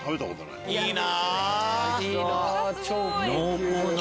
いいな。